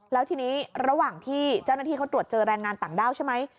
แล้วทีนี้ระหว่างที่เจ้าหน้าที่เขาตรวจเจอแรงงานต่างด้าวใช่ไหม